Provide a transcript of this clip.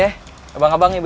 maaf ya abang abang ibu ibu